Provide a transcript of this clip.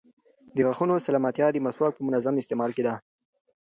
د غاښونو سلامتیا د مسواک په منظم استعمال کې ده.